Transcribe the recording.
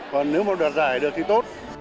còn nếu mà đạt giải được thì tốt